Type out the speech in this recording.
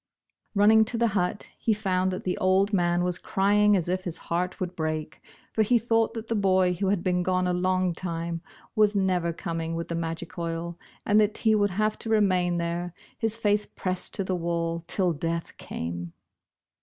Running to the hut, he found that the old man was crying as if his heart would break, for he thought that the boy, who had been gone a long time, was never coming with the magic oil, and that he would have to remain there, his face pressed to the wall, till death came.